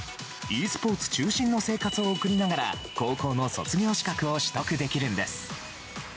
ｅスポーツ中心の生活を送りながら高校の卒業資格を取得できるんです。